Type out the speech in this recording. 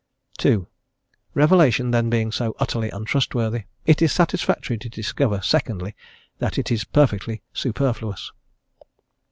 II. Revelation then being so utterly untrustworthy, it is satisfactory to discover, secondly, that it is perfectly superfluous.